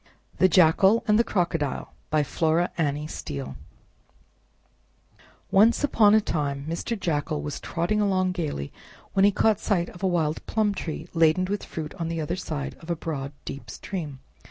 THE JACKAL AND THE CROCODILE By Flora Annie Steel Once upon a time Mr. Jackal was trotting along gayly, when lie caught sight of a wild plum tree laden with fruit on the other side of a broad, deep stream.